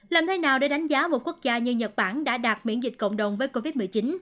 làm thế nào để đánh giá một quốc gia như nhật bản đã đạt miễn dịch cộng đồng với covid một mươi chín